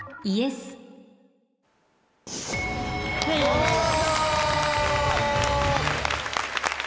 お見事。